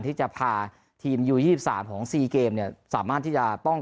ที่จะพาทีมยูยี่สิบสามของสี่เกมเนี่ยสามารถที่จะป้อง